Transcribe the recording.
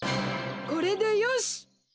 これでよし！